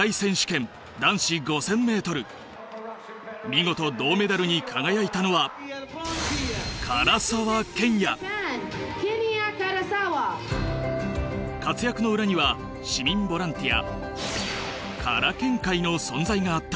見事銅メダルに輝いたのは活躍の裏には市民ボランティアからけん会の存在があった。